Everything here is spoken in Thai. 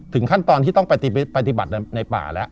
ขั้นตอนที่ต้องไปปฏิบัติในป่าแล้ว